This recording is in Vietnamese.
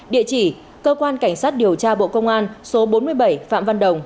địa chỉ cơ quan cảnh sát điều tra bộ công an số bốn mươi bảy phạm văn đồng